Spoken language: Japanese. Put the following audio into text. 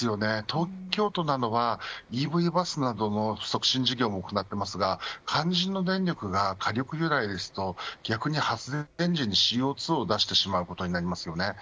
東京都などは、ＥＶバスなどの促進事業も行っていますが肝心の電力が火力由来ですと、逆に発電時にＣＯ２を出してしまうことになります。